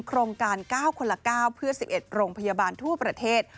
โครงการ๙คนละ๙เพื่อ๑๑โรงพยาบาลทั่วประเทศ